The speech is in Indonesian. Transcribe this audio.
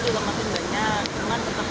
jadi kasih masih aja sih sekarang